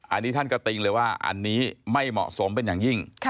อันนี้ท่านก็ติงเลยว่าอันนี้ไม่เหมาะสมเป็นอย่างยิ่ง